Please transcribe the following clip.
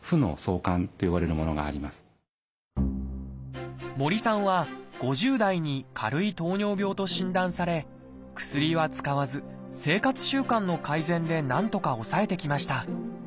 でも森さんは５０代に軽い糖尿病と診断され薬は使わず生活習慣の改善でなんとか抑えてきました。